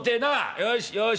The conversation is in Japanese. よしよし